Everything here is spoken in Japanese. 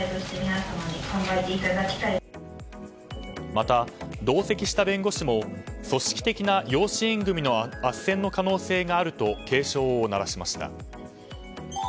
また、同席した弁護士も組織的な養子縁組のあっせんの可能性があると警鐘を鳴らしました。